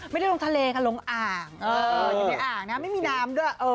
ไม่ได้ลงทะเลเขานลงอ่าง